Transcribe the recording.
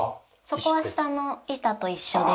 そこは下の板と一緒です。